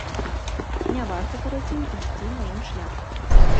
Не варта, карацей, ісці маім шляхам.